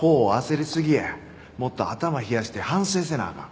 もっと頭冷やして反省せなあかん。